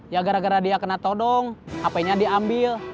ya gara gara dia kena todong hp nya diambil